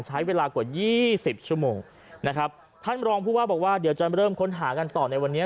ใช้เวลากว่ายี่สิบชั่วโมงนะครับท่านรองผู้ว่าบอกว่าเดี๋ยวจะเริ่มค้นหากันต่อในวันนี้